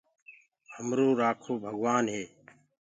همرو رآکو ڀگوآن هي۔